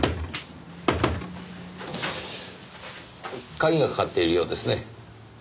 鍵がかかっているようですね。